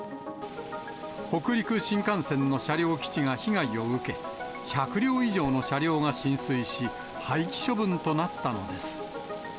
北陸新幹線の車両基地が被害を受け、１００両以上の車両が浸水し、廃棄処分となったのです。